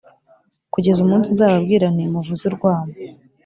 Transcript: kugeza umunsi nzababwira nti ’muvuze urwamo!’;